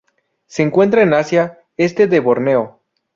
Se encuentran en Asia: este de Borneo.